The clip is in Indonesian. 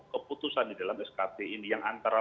keputusan di dalam skt ini yang antara